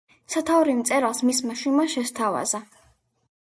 სათაური მწერალს მისმა შვილმა შესთავაზა.